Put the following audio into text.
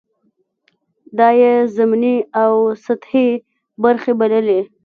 دا یې ضمني او سطحې برخې بللې.